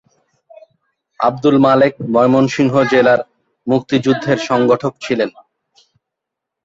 আব্দুল মালেক ময়মনসিংহ জেলার মুক্তিযুদ্ধের সংগঠক ছিলেন।